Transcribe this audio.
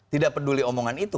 tidak peduli omongan itu